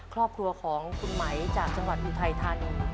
ครอบครัวของคุณไหมจากจังหวัดอุทัยธานี